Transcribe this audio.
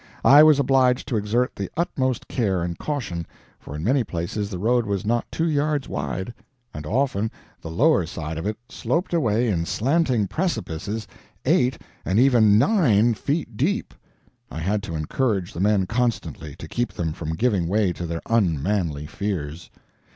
I was obliged to exert the utmost care and caution, for in many places the road was not two yards wide, and often the lower side of it sloped away in slanting precipices eight and even nine feet deep. I had to encourage the men constantly, to keep them from giving way to their unmanly fears.